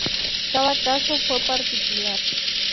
Cada caso fue particular.